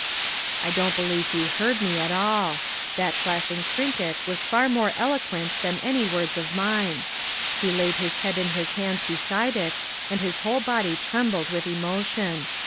I don't believe he heard me at all. That flashing trinket was far more eloquent than any words of mine. He laid his head in his hands beside it, and his whole body trembled with emotion.